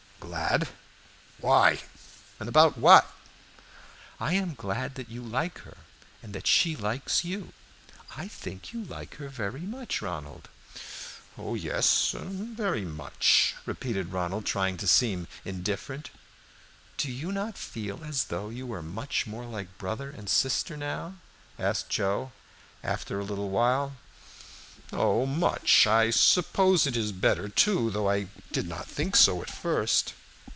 "Glad? Why? About what?" "I am glad that you like her, and that she likes you. I think you like her very much, Ronald." "Oh yes, very much," repeated Ronald, trying to seem indifferent. "Do you not feel as though we were much more like brother and sister now?" asked Joe, after a little while. "Oh, much!" assented Ronald. "I suppose it is better, too, though I did not think so at first."